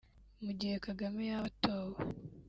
Mu gihe Kagame yaba atowe